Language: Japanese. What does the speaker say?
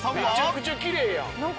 めちゃくちゃきれいやん。